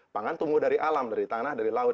pangan tumbuh dari alam dari tanah dari laut